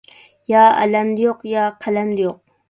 يا ئەلەمدە يوق، يا قەلەمدە يوق.